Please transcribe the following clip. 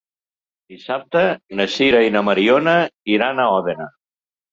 Dissabte na Sira i na Mariona iran a Òdena.